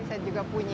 saya juga punya